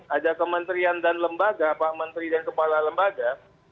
ada kementerian dan lembaga pak menteri dan kepala lembaga